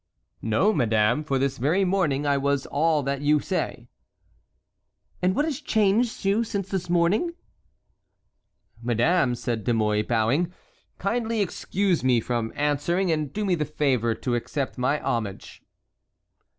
"No, madame, for this very morning I was all that you say." "And what has changed you since this morning?" "Madame," said De Mouy, bowing, "kindly excuse me from answering, and do me the favor to accept my homage."